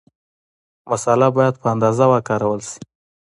مساله باید په اندازه وکارول شي.